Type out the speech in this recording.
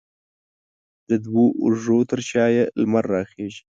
د دوو اوږو تر شا یې لمر راخیژي